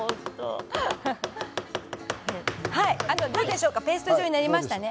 どうですかペースト状になりましたね。